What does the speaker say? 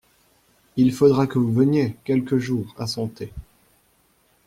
Il faudra que vous veniez, quelque jour, à son thé.